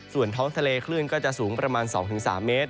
ส่วนท้องทะเลคลื่นก็จะสูงประมาณ๒๓เมตร